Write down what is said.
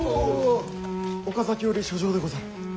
岡崎より書状でござる。